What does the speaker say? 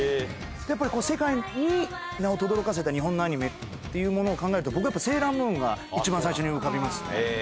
やっぱり世界に名をとどろかせた日本のアニメっていうものを考えると、僕はやっぱセーラームーンが一番最初に浮かびますね。